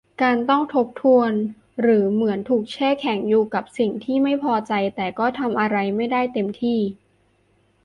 การต้องทบทวนหรือเหมือนถูกแช่แข็งอยู่กับสิ่งที่ไม่พอใจ แต่ก็ทำอะไรไม่ได้เต็มที่